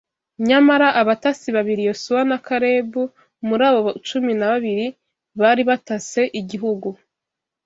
Nyamara, abatasi babiri Yosuwa na Kalebu muri abo cumi na babiri bari batase igihugu,